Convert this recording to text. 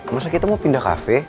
masa kita mau pindah kafe